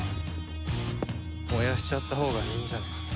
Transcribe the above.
燃やしちゃったほうがいいんじゃね？